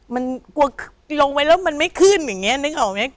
มันกลัวลงไว้แล้วมันไม่ขึ้นอย่างนี้นึกออกไหม